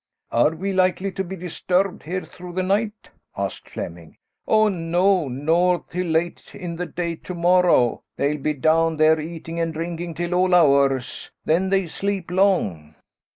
"Are we likely to be disturbed here through the night?" asked Flemming. "Oh no, nor till late in the day to morrow; they'll be down there eating and drinking till all hours, then they sleep long."